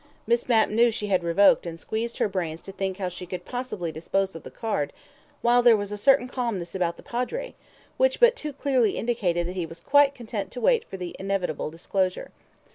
Miss Mapp knew she had revoked and squeezed her brains to think how she could possibly dispose of the card, while there was a certain calmness about the Padre, which but too clearly indicated that he was quite content to wait for the inevitable disclosure.